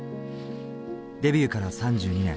デビューから３２年。